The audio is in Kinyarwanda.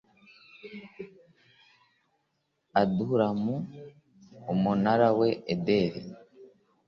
adulamu umunara wa ederi